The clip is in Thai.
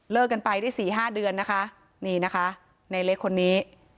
เลิกกันไปได้๔๕เดือนนะคะในเลขคนนี้